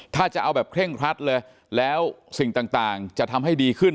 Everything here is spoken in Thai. ถ้าจะเอาแบบเคร่งครัดเลยแล้วสิ่งต่างจะทำให้ดีขึ้น